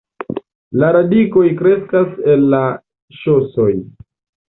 La radikoj kreskas el la ŝosoj.